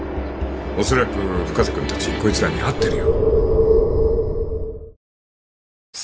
恐らく深瀬君達こいつらに会ってるよ